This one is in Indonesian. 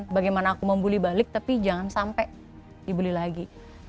bukan bagaimana aku mau bully balik tapi jangan sampai dibully lagi